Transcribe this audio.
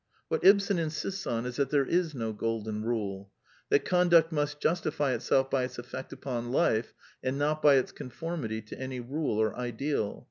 What Ibsen insists on is that there is no golden rule; that conduct must justify itself by its effect upon life and not by its conformity to any rule or ideal.